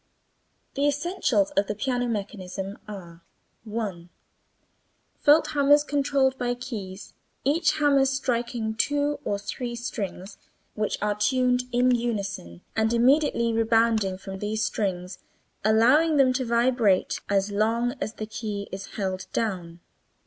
The essentials of the piano mechanism are: 1. Felt hammers controlled by keys, each hammer striking two or three strings (which are tuned in unison) and immediately rebounding from these strings, allowing them to vibrate as long as the key is held down.